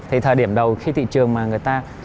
thì thời điểm đầu khi thị trường mà người ta